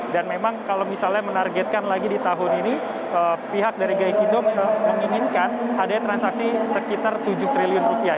dan memang kalau misalnya menargetkan lagi di tahun ini pihak dari gai kindom menginginkan ada transaksi sekitar tujuh triliun rupiah